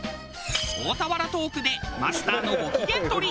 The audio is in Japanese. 大田原トークでマスターのご機嫌取り。